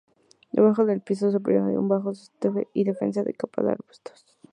Debajo del piso superior hay un bajo sotobosque y una densa capa de arbustos.